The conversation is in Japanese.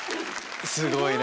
すごい！